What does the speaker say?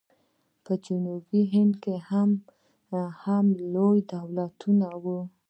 په جنوبي هند کې هم لوی دولتونه وو.